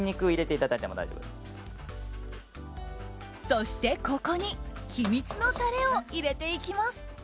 そして、ここに秘密のタレを入れていきます。